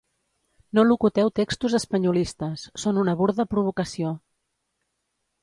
No locuteu textos espanyolistes, són una burda provocació.